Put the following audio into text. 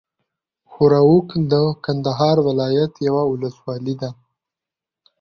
ښوراوک د کندهار ولايت یوه اولسوالي ده.